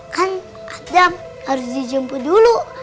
kan ada harus dijemput dulu